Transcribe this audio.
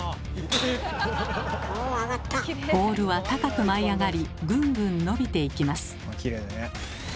ボールは高く舞い上がりぐんぐん伸びていきます。